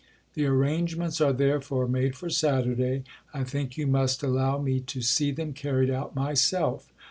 The arrangements are therefore made for Saturday. I think you must allow me to see them carried out myself.